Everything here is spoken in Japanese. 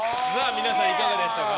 皆さん、いかがでしたか。